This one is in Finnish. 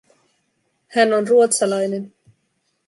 Hän on ruotsalainen.